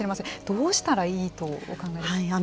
どうしたらいいとお考えですか。